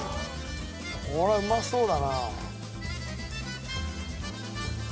「これはうまそうだな」